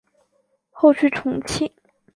后去重庆。